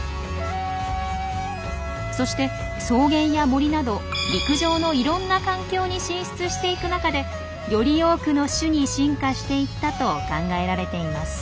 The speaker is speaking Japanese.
そして草原や森など陸上のいろんな環境に進出していく中でより多くの種に進化していったと考えられています。